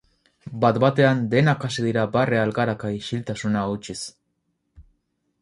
Bat-batean denak hasi dira barre algaraka isiltasuna hautsiz.